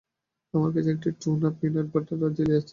আমার কাছে একটি টুনা এবং পিনাট বাটার আর জেলি আছে।